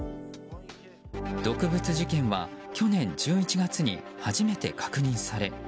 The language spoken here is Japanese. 毒物事件は去年１１月に初めて確認され